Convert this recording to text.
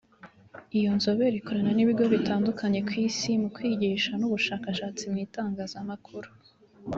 Iyi nzobere ikorana n’ibigo bitandukanye ku isi mu kwigisha n’ubushakashatsi mu itangazamakuru